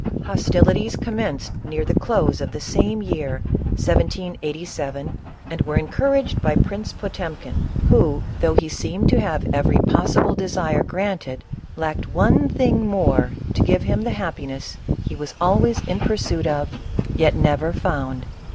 Hostilities commenced near the close of the same year, 1787, and were encouraged by Prince 432 CATHERINE OF RUSSIA. Potemkin, who, though he seemed to have every pos sible desire granted, lacked one thing more to give him the happiness he was always' in pursuit of, yet never found.